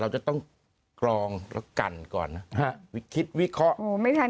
แล้วก็ไปได้แฟน